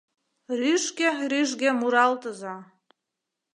Рӱжге-рӱжге муралтыза